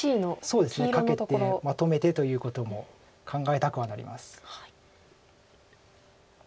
そうですねカケてまとめてということも考えたくはなります。